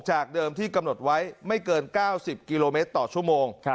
จากเดิมที่กำหนดไว้ไม่เกิน๙๐กิโลเมตรต่อชั่วโมง